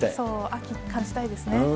秋感じたいですね。